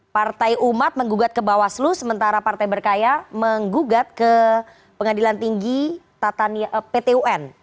partai umat menggugat ke bawaslu sementara partai berkarya menggugat ke pengadilan tinggi pt un